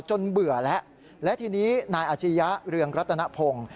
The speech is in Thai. จนเบื่อและและทีนี้นายอาชญะเรืองรัตนภง